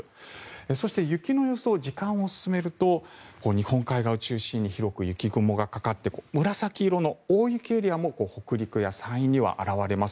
そして、雪の予想時間を進めると日本海側を中心に広く雪雲がかかって紫色の大雪エリアも北陸や山陰には現れます。